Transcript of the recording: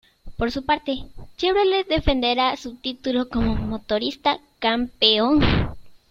Por su parte, Chevrolet defenderá su título como motorista campeón.